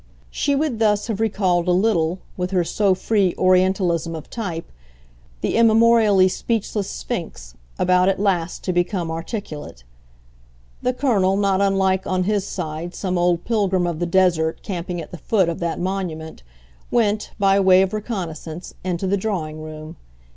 She would thus have recalled a little, with her so free orientalism of type, the immemorially speechless Sphinx about at last to become articulate. The Colonel, not unlike, on his side, some old pilgrim of the desert camping at the foot of that monument, went, by way of reconnoissance, into the drawing room.